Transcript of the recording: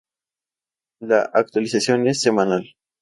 La actualización es semanal.